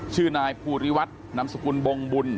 ชื่อนายภูริวัฒน์นำสกุลบงบุญ